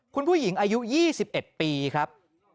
คุณผู้หญิงอายุ๒๑ปีครับ